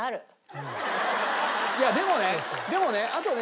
いやでもねでもねあとね